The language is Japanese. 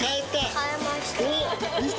買えました。